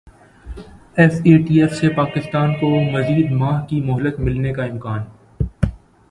F A T F سے پاکستان کو مزید ماہ کی مہلت ملنے کا امکان